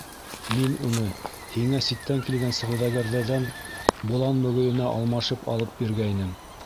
Мин уны һиңә ситтән килгән сауҙагәрҙәрҙән болан мөгөҙөнә алмашып алып биргәйнем...